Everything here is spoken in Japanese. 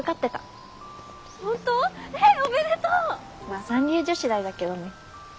まあ三流女子大だけどね。